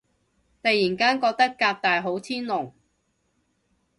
突然間覺得革大好天龍